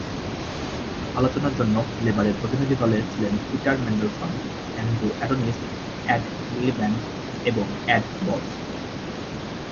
আলোচনার জন্য লেবারের প্রতিনিধিদলে ছিলেন Peter Mandelson, Andrew Adonis, Ed Miliband এবং এড বলস।